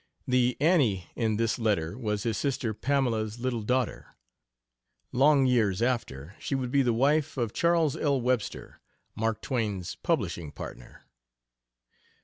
The "Annie" in this letter was his sister Pamela's little daughter; long years after, she would be the wife of Charles L. Webster, Mark Twain's publishing partner.